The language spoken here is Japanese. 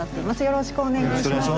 よろしくお願いします。